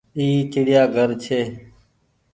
اي چڙيآ گهر ڇي۔